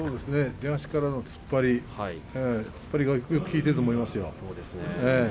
出足からの突っ張りよく効いていると思いますよ。